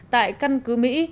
tại căn cứ mỹ